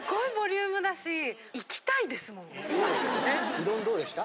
うどんどうでした？